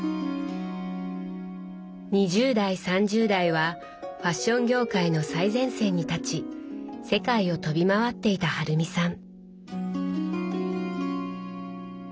２０代３０代はファッション業界の最前線に立ち世界を飛び回っていた春美さん。